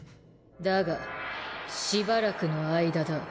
だがしばらくの間だ。